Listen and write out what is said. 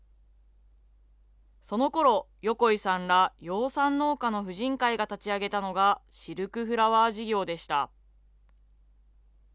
そのころ、横井さんら養蚕農家の婦人会が立ち上げたのがシルクフラワー事業でした。